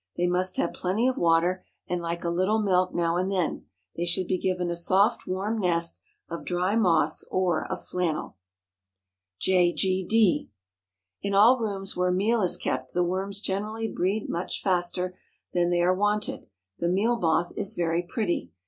They must have plenty of water, and like a little milk now and then. They should be given a soft, warm nest of dry moss or of flannel. J. G. D. In all rooms where meal is kept, the worms generally breed much faster than they are wanted. The meal moth is very pretty.